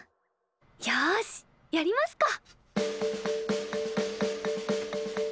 よしやりますか。